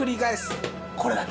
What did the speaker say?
これだけ。